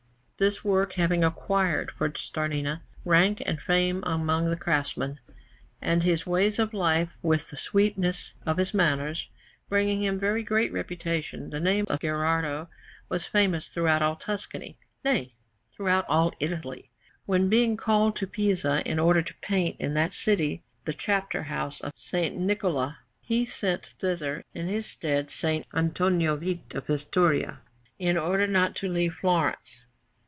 This work having acquired for Starnina rank and fame among the craftsmen, and his ways of life, with the sweetness of his manners, bringing him very great reputation, the name of Gherardo was famous throughout all Tuscany nay, throughout all Italy when, being called to Pisa in order to paint in that city the Chapter house of S. Niccola, he sent thither in his stead Antonio Vite of Pistoia, in order not to leave Florence.